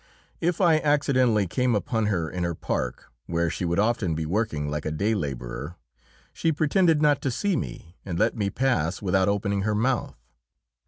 If I accidentally came upon her in her park, where she would often be working like a day labourer, she pretended not to see me, and let me pass without opening her mouth.